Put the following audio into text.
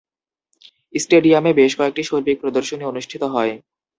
স্টেডিয়ামে বেশ কয়েকটি শৈল্পিক প্রদর্শনী অনুষ্ঠিত হয়।